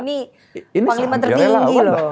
ini panglima tertinggi lho